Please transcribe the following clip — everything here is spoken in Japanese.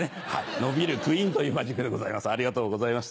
「伸びるクイーン」というマジックですありがとうございます。